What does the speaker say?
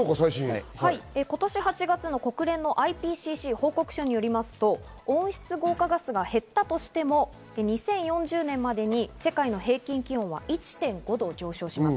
今年８月の国連のＩＰＣＣ報告書によりますと、温室効果ガスが減ったとしても２０４０年までに世界の平均気温は１．５度上昇します。